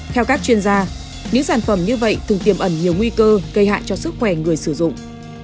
theo các chuyên gia những sản phẩm như vậy thường tiềm ẩn nhiều nguy cơ gây hại cho sức khỏe người sử dụng